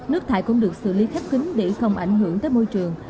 nước thải cũng được xử lý khép kính để không ảnh hưởng tới môi trường